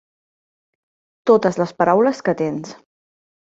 Totes les paraules que tens.